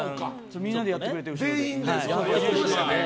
みんなで後ろでやってくれて。